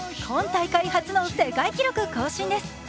今大会初の世界記録更新です。